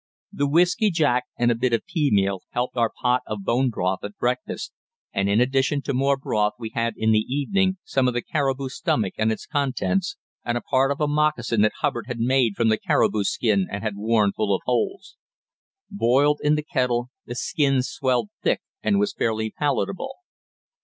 The whiskey jack and a bit of pea meal helped our pot of bone broth at breakfast, and in addition to more broth we had in the evening some of the caribou stomach and its contents and a part of a moccasin that Hubbard had made from the caribou skin and had worn full of holes. Boiled in the kettle the skin swelled thick and was fairly palatable.